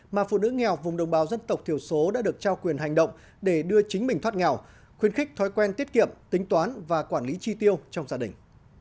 mà phụ nữ nghèo vùng đồng bào dân tộc thiểu số đã được trao quyền hành động để đưa chính mình thoát nghèo khuyến khích thói quen tiết kiệm tính toán và quản lý chi tiêu trong gia đình